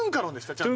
ちゃんと。